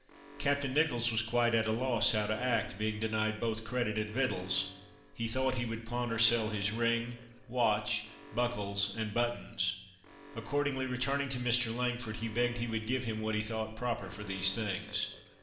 Captain Nicholls was quite at a loss how to act; being denied both credit and victuals, he thought that he would pawn or sell his ring, watch, buckles and buttons. Accordingly, returning to Mr. Langford, he begged he would give him what he thought proper for these things.